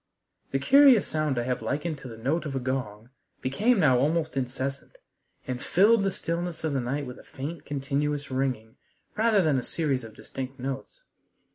The curious sound I have likened to the note of a gong became now almost incessant, and filled the stillness of the night with a faint, continuous ringing rather than a series of distinct notes.